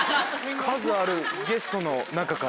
数あるゲストの中から。